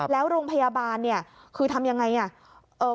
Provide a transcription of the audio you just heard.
แล้วโรงพยาบาลคือทำอย่างไร